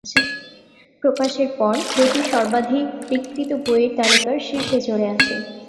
প্রকাশের পর বইটি সর্বাধিক বিক্রীত বইয়ের তালিকার শীর্ষে চলে আসে।